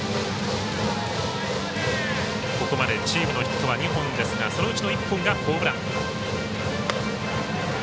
ここまでチームのヒットは２本ですが、そのうち１本がホームラン。